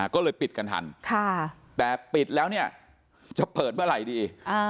ก็เลยปิดกันทันแต่ปิดแล้วเนี่ยจะเปิดเมื่อไหร่ดี